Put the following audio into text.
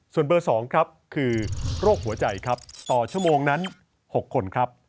ส่วนเบอร์๒ครับคือโรคหัวใจครับต่อชั่วโมงนั้น๖คนครับ